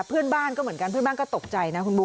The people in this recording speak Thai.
เพื่อนบ้านก็เหมือนกันเพื่อนบ้านก็ตกใจนะคุณบุ๊